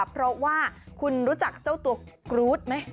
เพราะว่าคุณรู้จักเจ้าตัวกรู๊ดไหม